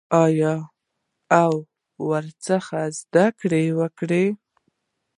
آیا او ورڅخه زده کړه وکړي؟